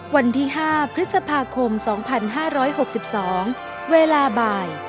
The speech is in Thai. วันที่๕พฤษภาคม๒๕๖๒เวลาบ่าย